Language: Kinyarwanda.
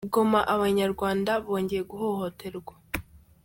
Goma Abanyarwanda bongeye guhohoterwa